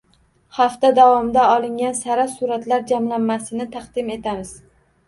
Hafta davomida olingan sara suratlar jamlanmasini taqdim etamiz